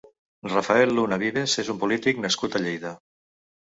Rafael Luna Vives és un polític nascut a Lleida.